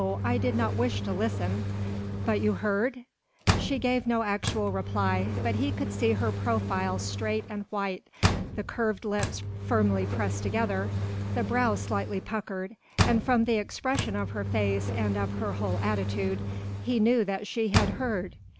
I did not wish to listen." "But you heard?" She gave no actual reply, but he could see her profile straight and white, the curved lips firmly pressed together, the brow slightly puckered, and from the expression of her face and of her whole attitude, he knew that she had heard.